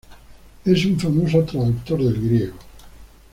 Es un famoso traductor del griego.